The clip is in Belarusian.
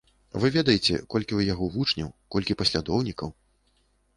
Вы ведаеце, колькі ў яго вучняў, колькі паслядоўнікаў.